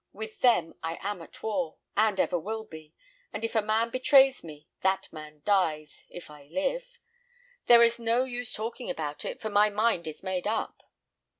With them I am at war, and ever will be; and if a man betrays me, that man dies, if I live. There is no use talking about it, for my mind is made up."